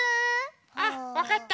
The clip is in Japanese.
あっわかった。